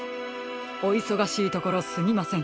おいそがしいところすみません。